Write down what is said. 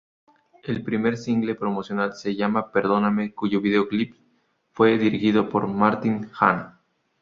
El primer single promocional se llama "Perdóname" cuyo video-clips fue dirigido por Martin Hahn.